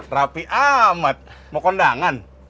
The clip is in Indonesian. rapi amat mau kondangan